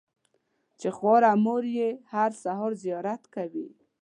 چې خواره مور یې هره سهار زیارت کوي.